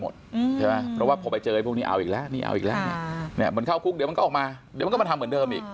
เดี๋ยวมันก็มาทำเหมือนเดิมอีก